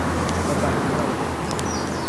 Bɛ bahi noli.